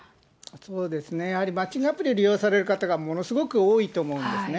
そうですね、やはりマッチングアプリ利用される方がものすごく多いと思うんですね。